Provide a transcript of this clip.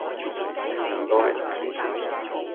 唔該